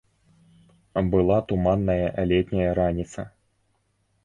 Была туманная летняя раніца.